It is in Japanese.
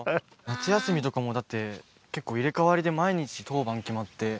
夏休みとかもだって結構入れ替わりで毎日当番決まってこの。